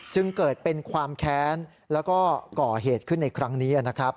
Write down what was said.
จึงเกิดเป็นความแค้นแล้วก็ก่อเหตุขึ้นในครั้งนี้นะครับ